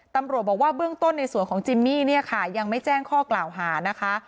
ตำรวจบอกว่าเบื้องต้นในส่วนของจิมมี่เนี่ยค่ะยังไม่แจ้งข้อกล่าวหานะคะ